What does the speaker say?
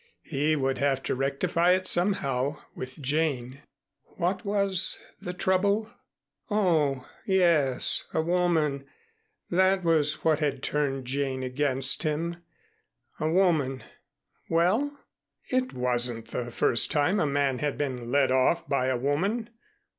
He would have to rectify it somehow with Jane. What was the trouble? Oh, yes, a woman that was what had turned Jane against him. A woman well? It wasn't the first time a man had been led off by a woman.